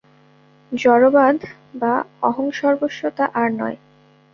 জড়বাদ বা অহংসর্বস্বতা আর নয়।